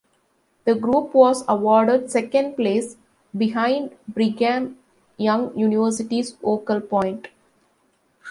The group was awarded second place behind Brigham Young University's Vocal Point.